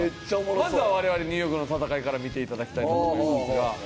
まずは我々ニューヨークの戦いから見ていただきたいと思いますが。